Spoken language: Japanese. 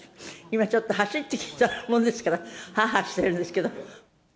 今、ちょっと走ってきたものですから、はあはあしてるんですけど。